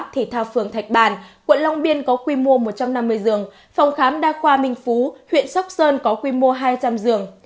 thể thao phường thạch bàn quận long biên có quy mô một trăm năm mươi giường phòng khám đa khoa minh phú huyện sóc sơn có quy mô hai trăm linh giường